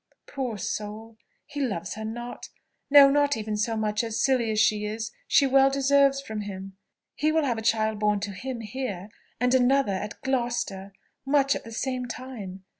Poor soul! He loves her not; no not even so much as, silly as she is, she well deserves from him. He will have a child born to him here, and another at Gloucester, much at the same time.